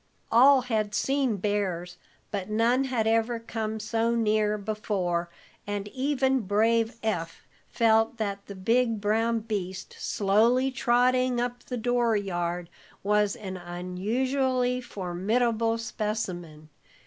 All had seen bears, but none had ever come so near before, and even brave Eph felt that the big brown beast slowly trotting up the door yard was an unusually formidable specimen.